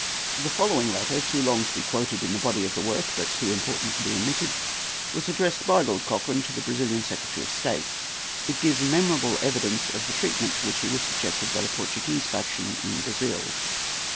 The following letter, too long to be quoted in the body of the work, but too important to be omitted, was addressed by Lord Cochrane to the Brazilian Secretary of State. It gives memorable evidence of the treatment to which he was subjected by the Portuguese faction in Brazil.